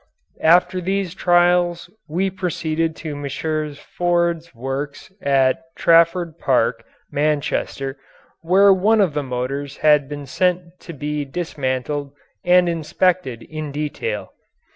After these trials we proceeded to Messrs. Ford's works at Trafford Park, Manchester, where one of the motors had been sent to be dismantled and inspected in detail.